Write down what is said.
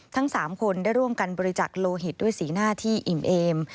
ทั้ง๓คนได้ร่วมกันบริจักษ์โลหิตด้วยสีหน้าที่อิ่มเอม